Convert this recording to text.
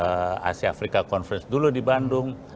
di asia afrika conference dulu di bandung